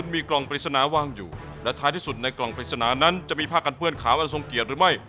มีกล่องปริศนาวางอยู่และท้ายที่สุดในกล่องปริศนานั้นจะมีผ้ากันเปื้อนขาวอันทรงเกียจหรือไม่